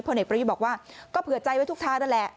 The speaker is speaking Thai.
พลเนกประยุจันทร์บอกว่าก็เผื่อใจไว้ทุกท่าแหละ